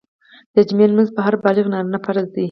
د جمعي لمونځ په هر بالغ نارينه فرض دی